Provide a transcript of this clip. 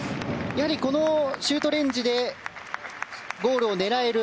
やはりシュートレンジでゴールを狙える。